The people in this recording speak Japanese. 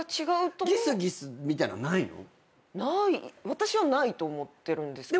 ない私はないと思ってるんですけど。